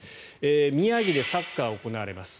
宮城でサッカーが行われます。